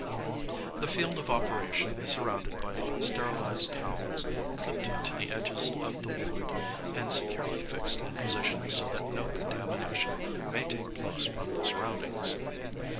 The field of operation is surrounded by sterilised towels, clipped to the edges of the wound, and securely fixed in position so that no contamination may take place from the surroundings.